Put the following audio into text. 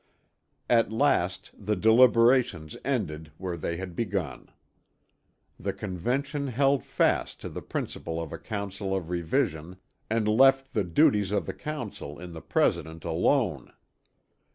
At last the deliberations ended where they had begun. The Convention held fast to the principle of a Council of Revision and left the duties of the council in the President alone.